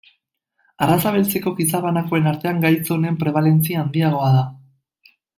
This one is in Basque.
Arraza beltzeko gizabanakoen artean gaitz honen prebalentzia handiagoa da.